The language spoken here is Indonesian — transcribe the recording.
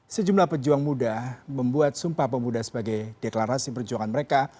sejumlah pejuang muda membuat sumpah pemuda sebagai deklarasi perjuangan mereka